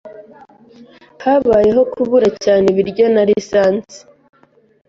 Habayeho kubura cyane ibiryo na lisansi.